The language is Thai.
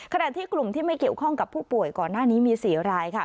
ขณะที่กลุ่มที่ไม่เกี่ยวข้องกับผู้ป่วยก่อนหน้านี้มี๔รายค่ะ